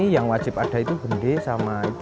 yang wajib ada itu bende sama itu